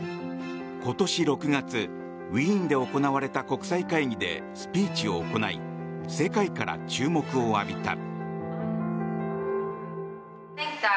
今年６月ウィーンで行われた国際会議でスピーチを行い世界から注目を浴びた。